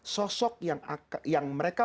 sosok yang mereka